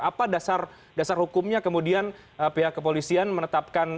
apa dasar hukumnya kemudian pihak kepolisian menetapkan